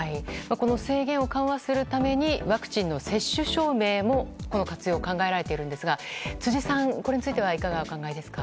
制限を緩和するためにワクチンの接種証明も今後活用が考えられているんですが辻さん、これについてはいかがお考えですか？